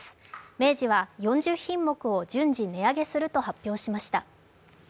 明治は４０品目を順次値上げすると発表しました。